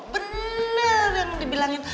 benar yang dibilangin